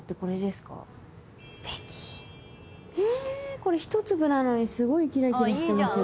えこれひと粒なのにすごいキラキラしてますよ。